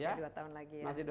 jadi masih dua tahun lagi ya